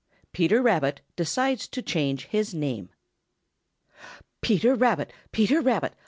PETER RABBIT DECIDES TO CHANGE HIS NAME |PETER RABBIT! Peter Rabbit!